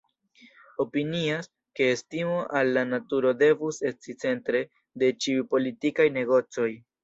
Opinias, ke estimo al la naturo devus esti centre de ĉiuj politikaj negocoj.